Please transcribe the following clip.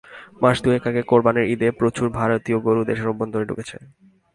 মাস দুয়েক আগে কোরবানির ঈদে প্রচুর ভারতীয় গরু দেশের অভ্যন্তরে ঢুকেছে।